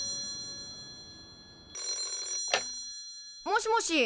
☎もしもし。